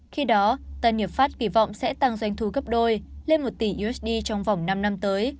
khi đó tân nghiệp pháp kỳ vọng sẽ tăng doanh thu gấp đôi lên một tỷ usd trong vòng năm năm tới